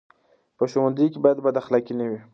په ښوونځي کې باید بد اخلاقي نه وي.